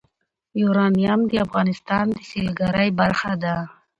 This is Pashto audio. یورانیم د افغانستان د سیلګرۍ برخه ده.